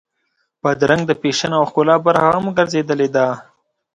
بادرنګ د فیشن او ښکلا برخه هم ګرځېدلې ده.